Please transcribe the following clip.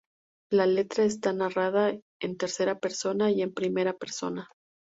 La letra está narrada en tercera persona y en primera persona.